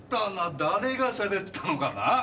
誰がしゃべったのかな？